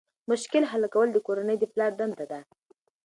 مشکل حل کول د کورنۍ د پلار دنده ده.